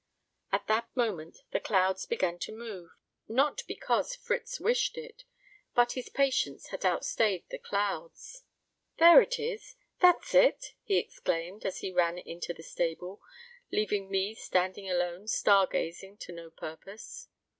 At that moment the clouds began to move not because Fritz wished it, but his patience had outstayed the clouds. "There it is. That's it," he exclaimed, as he ran into the stable, leaving me standing alone star gazing to no purpose.